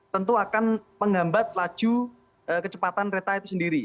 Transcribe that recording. tentu akan menghambat laju kecepatan kereta itu sendiri